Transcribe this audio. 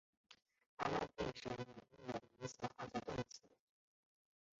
阿拉佩什语亦有名词化的动词。